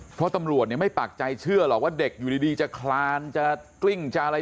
เพราะตำรวจไม่ปากใจเชื่อหรอกว่าเด็กอยู่ดีจะคลานจะกลิ้งจะอะไร